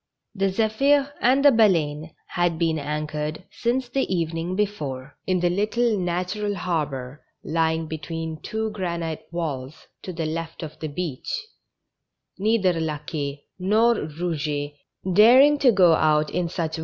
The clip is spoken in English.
The Zepliir and the Bafeme had been anchored, since the evening before, in the little natural harbor lying between two granite walls to the left of the beach, neither La Queue nor Eouget daring to go out in such THE STRANGE CATCH.